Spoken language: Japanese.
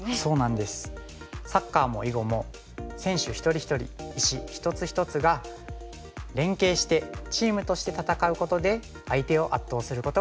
サッカーも囲碁も選手一人一人石一つ一つが連携してチームとして戦うことで相手を圧倒することができます。